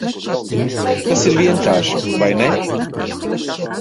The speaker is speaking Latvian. Tas ir vienkārši, vai ne?